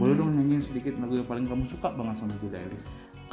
boleh dong nyanyi sedikit lagu yang paling kamu suka banget sama billie eilish